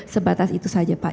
sebatas itu saja pak